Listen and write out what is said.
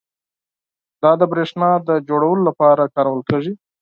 دا د بریښنا د تولید لپاره کارول کېږي.